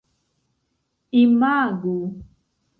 imagu